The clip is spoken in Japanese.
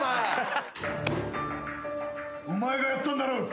お前がやったんだろ！